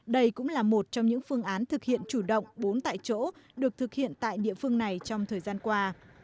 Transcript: đây cũng là một trong những phương án thực hiện chủ động bốn tại chỗ được thực hiện tại địa phương này trong thời gian qua